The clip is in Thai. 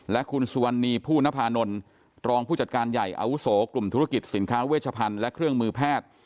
และคุณสุวรรณีผู้นภานนท์รองผู้จัดการใหญ่อาวุโสกลุ่มธุรกิจสินค้าเวชพันธ์และเครื่องมือแพทย์